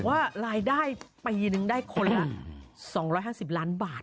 ว่ารายได้ปีนึงได้คนละ๒๕๐ล้านบาท